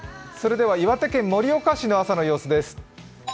岩手県盛岡市の朝の様子です。